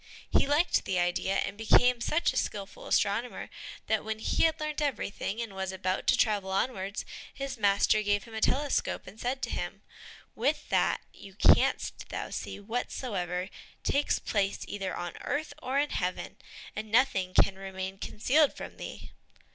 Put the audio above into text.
He liked the idea, and became such a skillful astronomer that when he had learnt everything, and was about to travel onwards, his master gave him a telescope and said to him, "With that you canst thou see whatsoever takes place either on earth or in heaven, and nothing can remain concealed from thee."